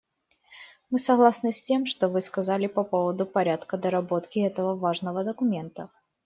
Мы согласны с тем, что Вы сказали по поводу порядка доработки этого важного документа.